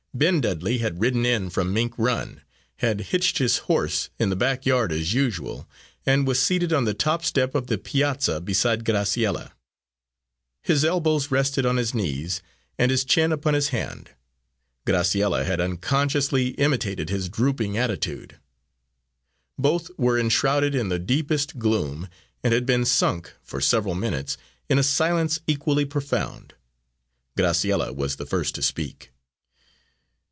Ben Dudley had ridden in from Mink Run, had hitched his horse in the back yard as usual, and was seated on the top step of the piazza beside Graciella. His elbows rested on his knees, and his chin upon his hand. Graciella had unconsciously imitated his drooping attitude. Both were enshrouded in the deepest gloom, and had been sunk, for several minutes, in a silence equally profound. Graciella was the first to speak.